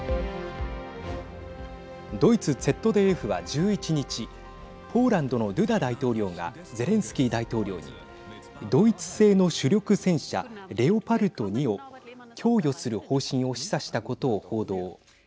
ドイツＺＤＦは１１日ポーランドのドゥダ大統領がゼレンスキー大統領にドイツ製の主力戦車レオパルト２を供与する方針を示唆したことを報道。